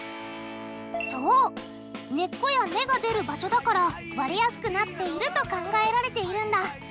そう根っこや芽が出る場所だから割れやすくなっていると考えられているんだ。